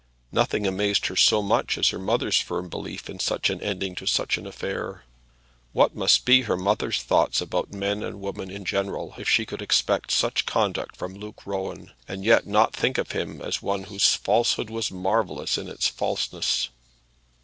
Nothing amazed her so much as her mother's firm belief in such an ending to such an affair. What must be her mother's thoughts about men and women in general if she could expect such conduct from Luke Rowan, and yet not think of him as one whose falsehood was marvellous in its falseness!